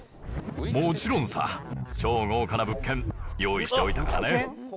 もちろんさ、超豪華な物件、用意しておいたからね。